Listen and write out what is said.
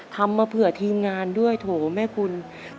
ทำมาเผื่อทีมงานด้วยโถแม่คุณ